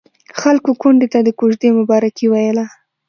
خلکو کونډې ته د کوژدې مبارکي ويله.